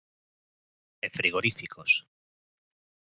E frigoríficos.